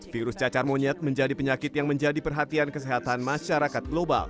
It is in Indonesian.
virus cacar monyet menjadi penyakit yang menjadi perhatian kesehatan masyarakat global